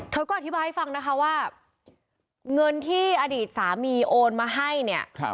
เธอก็อธิบายให้ฟังนะคะว่าเงินที่อดีตสามีโอนมาให้เนี่ย